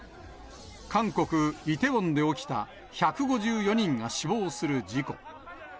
韓国・イテウォンで起きた、１５４人が死亡する事故。